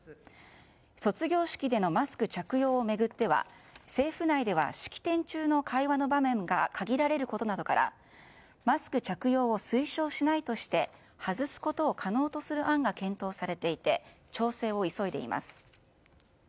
卒業式でのマスク着用を巡っては政府内では式典中の会話の場面が限られることなどからマスク着用を推奨しないとして外すことを可能とする案が検討されていて調整を急いでいます。